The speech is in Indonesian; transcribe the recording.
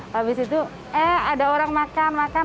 habis itu eh ada orang makan makan